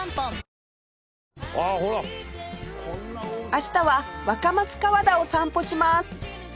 明日は若松河田を散歩します